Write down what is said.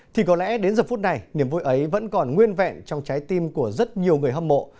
thì có lẽ đến giờ phút này niềm vui ấy vẫn còn nguyên vẹn trong trái tim của rất nhiều người hâm mộ